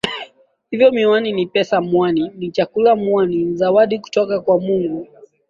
Hivyo Mwani ni pesa Mwani ni chakula na mwani ni zawadi kutoka kwa Mungu